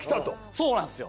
そうなんですよ。